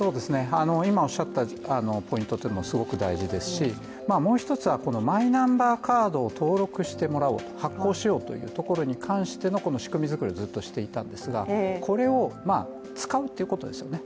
今おっしゃったポイントもすごく大事ですし、もう一つは、マイナンバーカードを登録してもらおう、発行してもらおうというところの仕組み作りをしていたんですが、これを使うということですよね。